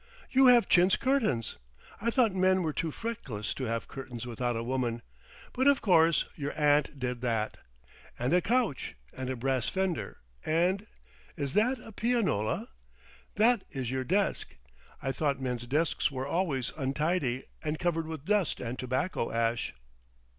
"You have chintz curtains. I thought men were too feckless to have curtains without a woman. But, of course, your aunt did that! And a couch and a brass fender, and—is that a pianola? That is your desk. I thought men's desks were always untidy, and covered with dust and tobacco ash."